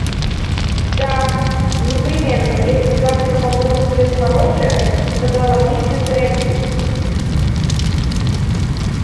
– Да, непременно, если завтра погода будет хорошая, – сказала миссис Рэмзи.